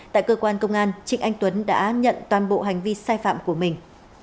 tại cơ quan công an trịnh anh tuấn đã nhận toàn bộ hành vi sai phạm của mình